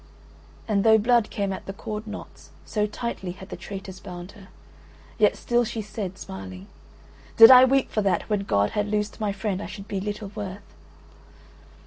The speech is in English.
And though blood came at the cord knots, so tightly had the traitors bound her, yet still she said, smiling: "Did I weep for that when God has loosed my friend I should be little worth."